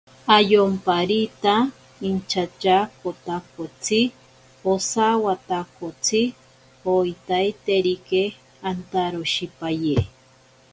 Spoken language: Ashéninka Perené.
Ayomparita inchatyaakotakotsi osawatakotsi oitaiterike antaroshipaye.